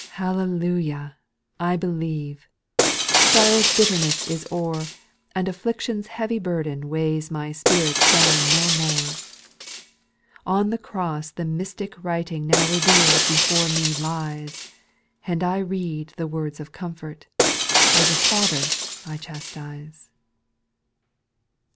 SPIRITUAL SONGS. 205 2. Hallelujah I I believe ! Sorrow's bitterness is o'er, And affliction's heavy burden Weighs my spirits down no more. On the cross the mystic writing Now reveal'd before me lies And I read the words of comfort, As a father, I chastise."